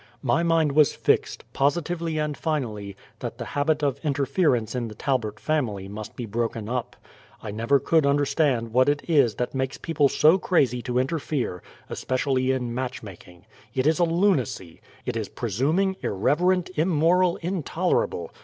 My mind was fixed, positively and finally, that the habit of interference in the Talbert family must be broken up. I never could understand what it is that makes people so crazy to interfere, especially in match making. It is a lunacy. It is presuming, irreverent, immoral, intolerable.